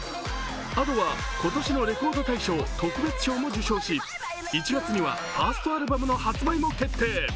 Ａｄｏは今年のレコード大賞特別賞も受賞し、１月にはファーストアルバムの発売も決定。